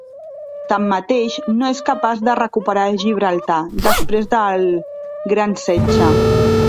Tanmateix, no és capaç de recuperar Gibraltar després del Gran Setge.